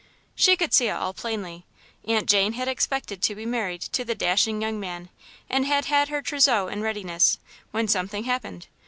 She could see it all plainly. Aunt Jane had expected to be married to the dashing young man and had had her trousseau in readiness, when something happened.